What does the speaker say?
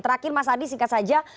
terakhir mas adi singkat saja